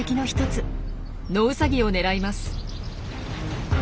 ノウサギを狙います。